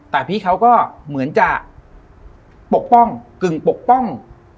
แต่พี่เขาก็เหมือนจะปกป้องกึ่งปกป้อง